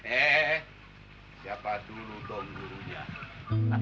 eh siapa dulu dong gurunya